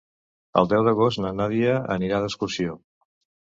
El deu d'agost na Nàdia anirà d'excursió.